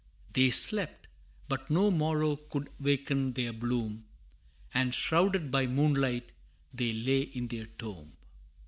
They slept, but no morrow could waken their bloom, And shrouded by moonlight, they lay in their tomb.